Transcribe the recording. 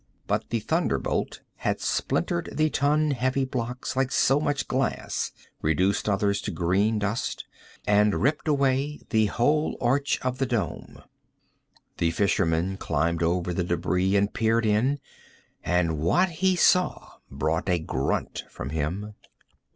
But the thunderbolt had splintered the ton heavy blocks like so much glass, reduced others to green dust, and ripped away the whole arch of the dome. The fisherman climbed over the debris and peered in, and what he saw brought a grunt from him.